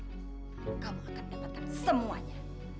kamu akan mendapatkan semuanya